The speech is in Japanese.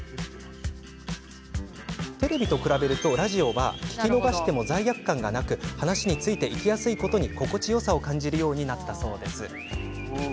テレビと比べると聞き逃しても罪悪感がなく話についていきやすいことに心地よさを感じるようになったそうです。